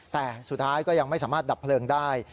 แต่สุดท้ายก็ยังไม่สามารถดับเพลิงได้